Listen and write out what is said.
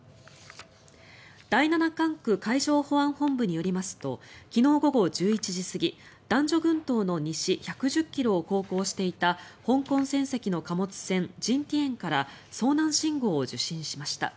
第七管区海上保安本部によりますと昨日午後１１時過ぎ男女群島の西１１０ｋｍを航行していた香港船籍の貨物船「ＪＩＮＴＩＡＮ」から遭難信号を受信しました。